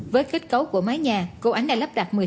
với kết cấu của mái nhà cô ánh đã lắp đặt